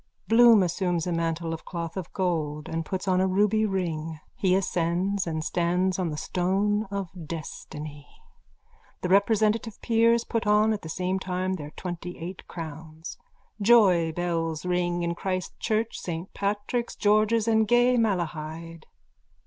_(Bloom assumes a mantle of cloth of gold and puts on a ruby ring. He ascends and stands on the stone of destiny. The representative peers put on at the same time their twentyeight crowns. Joybells ring in Christ church, Saint Patrick's, George's and gay Malahide.